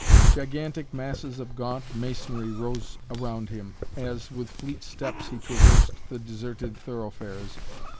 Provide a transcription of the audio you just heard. Gigantic masses of gaunt masonry rose around him as, with fleet steps, he traversed the deserted thoroughfares.